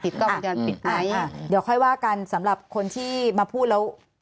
กล้องวงจรปิดไหมอ่ะเดี๋ยวค่อยว่ากันสำหรับคนที่มาพูดแล้ว